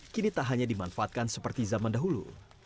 kini tak hanya dimanfaatkan seperti zaman dahulu